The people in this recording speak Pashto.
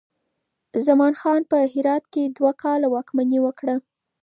زمان خان په هرات کې دوه کاله واکمني وکړه.